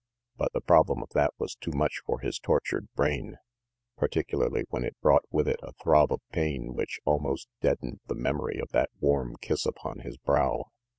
But the problem of that was too much for his tortured brain, particu larly when it brought with it a throb of pain which almost deadened the memory of that warm kiss upon his brow.